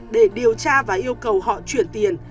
để điều tra và yêu cầu họ chuyển tiền